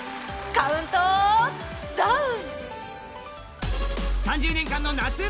カウントダウン！